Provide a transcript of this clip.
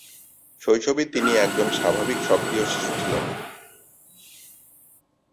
শৈশবে তিনি একজন স্বাভাবিক সক্রিয় শিশু ছিলেন।